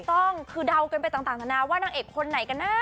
ถูกต้องคือเดากันไปต่างนานาว่านางเอกคนไหนกันนะ